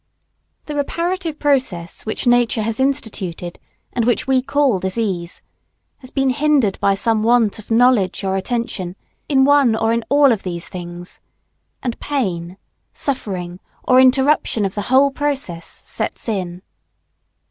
The reparative process which Nature has instituted and which we call disease, has been hindered by some want of knowledge or attention, in one or in all of these things, and pain, suffering, or interruption of the whole process sets in.